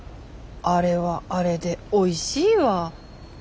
あれはあれでおいしいわ。